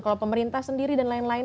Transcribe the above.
kalau pemerintah sendiri dan lain lain